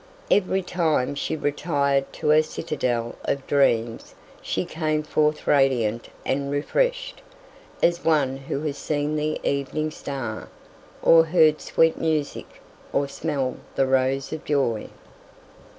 Every time she retired to her citadel of dreams she came forth radiant and refreshed, as one who has seen the evening star, or heard sweet music, or smelled the rose of joy.